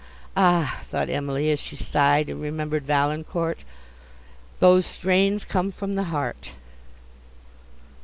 Ah! thought Emily, as she sighed and remembered Valancourt, those strains come from the heart!